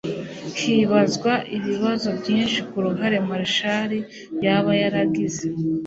Hibazwa ibibazo byinshi ku ruhare Marshall yaba yaragize